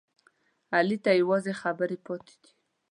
علي ته یوازې خبرې پاتې دي.